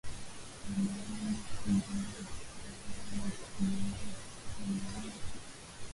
Banaenda ku jenga msalani kuile nyumba ya mupya